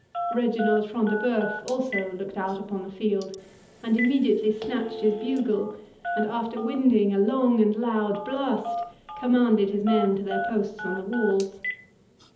Reginald Front de Bœuf also looked out upon the field, and immediately snatched his bugle; and, after winding a long and loud blast, commanded his men to their posts on the walls.